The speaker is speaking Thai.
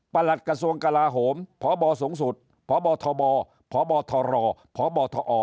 หลัดกระทรวงกลาโหมพบสูงสุดพบทบพบทรพบทอ